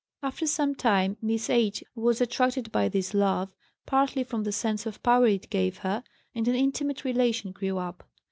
After some time Miss H. was attracted by this love, partly from the sense of power it gave her, and an intimate relation grew up.